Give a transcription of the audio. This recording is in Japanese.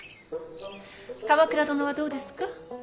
鎌倉殿はどうですか。